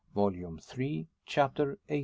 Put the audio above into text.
Volume Three, Chapter XVIII.